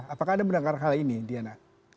apakah ada pendengar hal ini diana